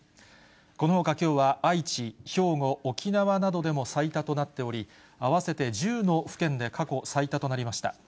このほか、きょうは愛知、兵庫、沖縄などでも最多となっており、合わせて１０の府県で過去最多となりました。